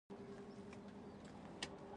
چې پر کفارو مې خوا بده سوه.